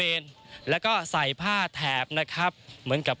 ก็จะพาไปตลาดแห่งหนึ่งครับ